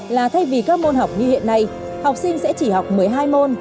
là thay vì các môn học như hiện nay học sinh sẽ chỉ học một mươi hai môn